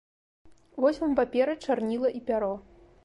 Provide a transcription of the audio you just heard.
Вось вам папера, чарніла і пяро!